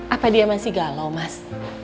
apa dia masih galau mas